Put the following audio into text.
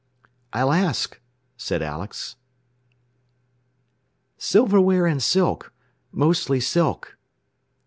"I'll ask," said Alex "Silverware and silk. Mostly silk."